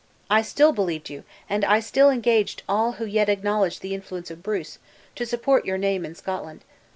I still believed you, and I still engaged all who yet acknowledged the influence of Bruce, to support your name in Scotland.